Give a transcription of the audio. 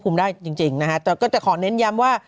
ไม่จริงนะฮะ